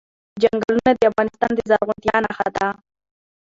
چنګلونه د افغانستان د زرغونتیا نښه ده.